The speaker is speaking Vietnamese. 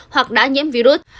hoặc đã nhiễm virus